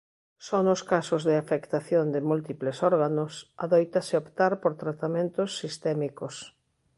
Só nos casos de afectación de múltiples órganos adóitase optar por tratamentos sistémicos.